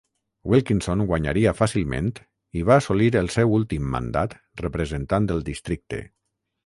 Wilkinson guanyaria fàcilment i va assolir el ser últim mandat representant el districte.